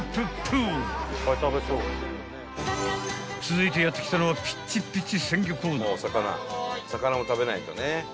［続いてやって来たのはピチピチ］